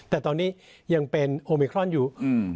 แต่ตอนนี้ยังเป็นโอมิครอนอยู่